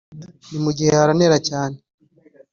ni mu gihe haranera cyane.